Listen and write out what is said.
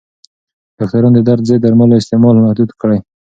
ډاکټران د درد ضد درملو استعمال محدود کړی.